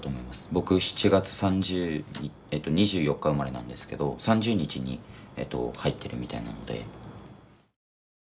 僕７月２４日生まれなんですけど３０日に入ってるみたいなので。